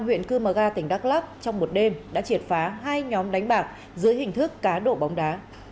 huyện cư mờ ga tỉnh đắk lắc trong một đêm đã triệt phá hai nhóm đánh bạc dưới hình thức cá độ bóng đá